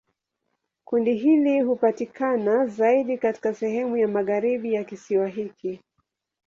Kundi hili hupatikana zaidi katika sehemu ya magharibi ya kisiwa hiki.